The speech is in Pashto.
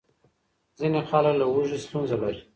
ځینې خلک له هوږې ستونزه لري.